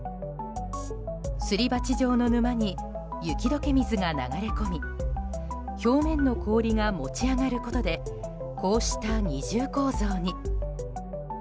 すり鉢状の沼に雪解け水が流れ込み表面の氷が持ち上がることでこうした二重構造に。